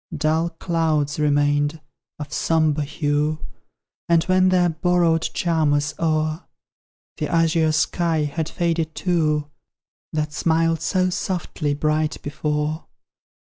Dull clouds remained, of sombre hue, And when their borrowed charm was o'er, The azure sky had faded too, That smiled so softly bright before.